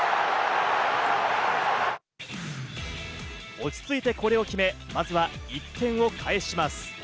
落ち着いてこれを決め、まずは１点を返します。